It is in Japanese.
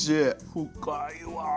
深いわ。